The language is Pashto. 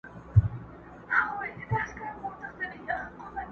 ژبور او سترګور دواړه په ګور دي؛